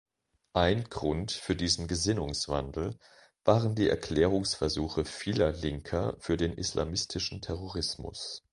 Ein Grund für diesen Gesinnungswandel waren die Erklärungsversuche vieler Linker für den islamistischen Terrorismus.